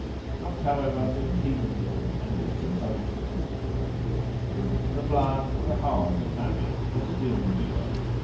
—Not, however, with "hedonism" and its supposed consequences. The blood, the heart, of Marius were still pure.